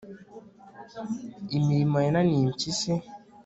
imirimo yananiye impyisi